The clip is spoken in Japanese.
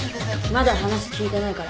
まだ話聞いてないから。